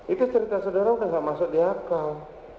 itu cerita saudara sudah tidak masuk di akal